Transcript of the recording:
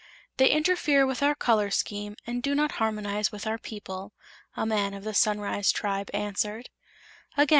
"They interfere with our color scheme, and do not harmonize with our people," a man of the Sunrise Tribe answered.